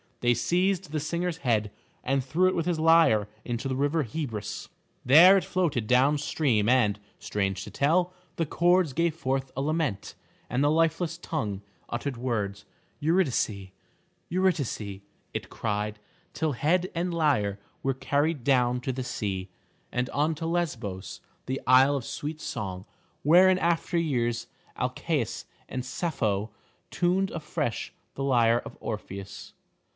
They seized the singer's head and threw it with his lyre into the river Hebrus. There it floated down stream and, strange to tell, the chords gave forth a lament, and the lifeless tongue uttered words. "Eurydice, Eurydice," it cried, till head and lyre were carried down to the sea, and on to Lesbos, the isle of sweet song, where in after years Alcaeus and Sappho tuned afresh the lyre of Orpheus.